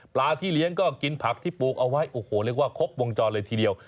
ที่เลี้ยงก็กินผักที่ปลูกเอาไว้โอ้โหเรียกว่าครบวงจรเลยทีเดียว